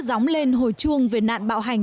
dóng lên hồi chuông về nạn bạo hành